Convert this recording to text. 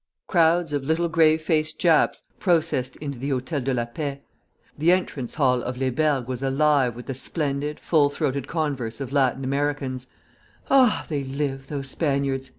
Crowds of little grave faced Japs processed into the Hotel de la Paix; the entrance hall of Les Bergues was alive with the splendid, full throated converse of Latin Americans ("Ah, they live, those Spaniards!"